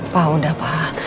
pak udah pak